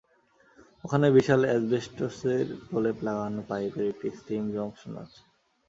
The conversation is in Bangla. ওখানে বিশাল অ্যাসবেস্টসের প্রলেপ লাগানো পাইপের একটি স্টিম জংশন আছে।